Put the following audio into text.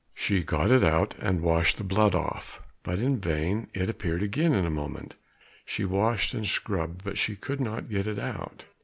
She got it out and washed the blood off, but in vain, it appeared again in a moment. She washed and scrubbed, but she could not get it out.